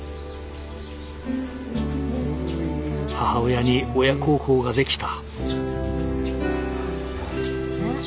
母親に親孝行ができた。